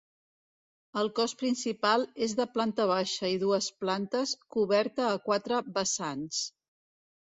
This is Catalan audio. El cos principal és de planta baixa i dues plantes, coberta a quatre vessants.